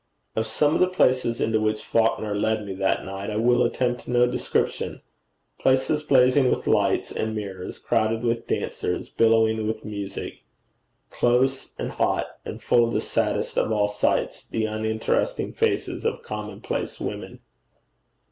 Of some of the places into which Falconer led me that night I will attempt no description places blazing with lights and mirrors, crowded with dancers, billowing with music, close and hot, and full of the saddest of all sights, the uninteresting faces of commonplace women.